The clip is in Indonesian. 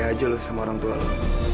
babay aja lu sama orang tua lu